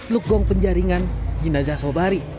lukgong penjaringan jinazah sobari